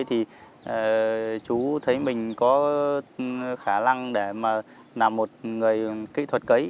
thì chú thấy mình có khả năng để mà làm một người kỹ thuật cấy